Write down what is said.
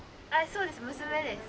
そうです娘です。